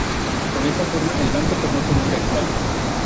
Con esa reforma, el banco tomó su nombre actual.